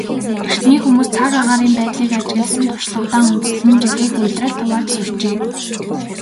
Эртний хүмүүс цаг агаарын байдлыг ажигласан туршлагадаа үндэслэн жилийг улиралд хувааж сурчээ.